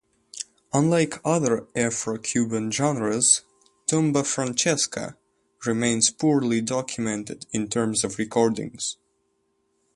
Unlike other Afro-Cuban genres, tumba francesa remains poorly documented in terms of recordings.